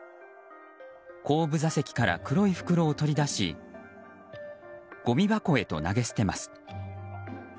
後部座席から黒い袋を取り出しごみ箱へと投げ捨てます。